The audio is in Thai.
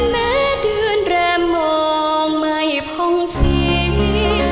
แม้เดือนแรมมองไม่พงศิษย์